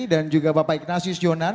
dan juga bapak ignasius jonan